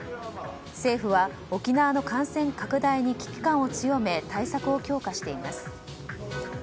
政府は沖縄の感染拡大に危機感を強め対策を強化しています。